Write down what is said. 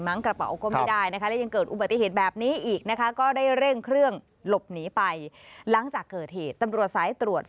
มั้งกระเป๋าก็ไม่ได้นะคะและยังเกิดอุบัติเหตุแบบนี้อีกนะคะ